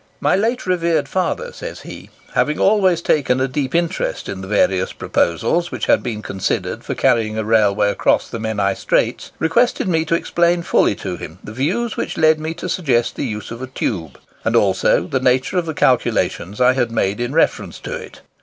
"My late revered father," says he, "having always taken a deep interest in the various proposals which had been considered for carrying a railway across the Menai Straits, requested me to explain fully to him the views which led me to suggest the use of a tube, and also the nature of the calculations I had made in reference to it.